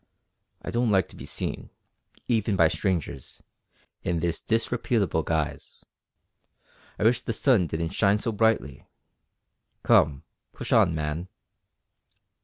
I don't like to be seen, even by strangers, in this disreputable guise. I wish the sun didn't shine so brightly. Come, push on, man."